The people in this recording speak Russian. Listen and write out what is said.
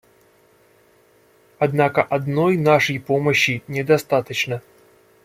Однако одной нашей помощи недостаточно.